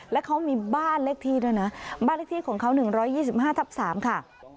และเขามีบ้านเลขที่ด้วยนะบ้านเลขที่ของเขา๑๒๕ทับ๓ค่ะ